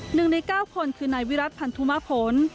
หนึ่งในเก้าคนคือนายวิรัติพันธุมพล